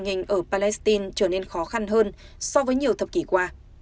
nhiều nhà nước palestine trở nên khó khăn hơn so với nhiều thập kỷ qua